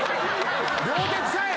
両手使え！